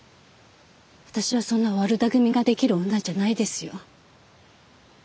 私はそんな悪だくみができる女じゃないですよ。